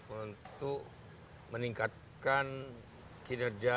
untuk meningkatkan kinerja